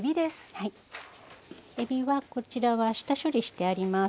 えびはこちらは下処理してあります。